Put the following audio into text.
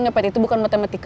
nyopet itu bukan matematika